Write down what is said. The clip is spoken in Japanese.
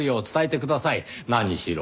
何しろ